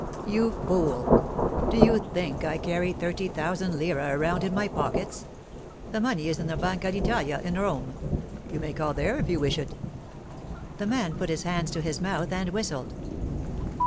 'You fool! Do you think I carry thirty thousand lire around in my pockets? The money is in the Banca d'Italia in Rome. You may call there if you wish it.' The man put his hands to his mouth and whistled.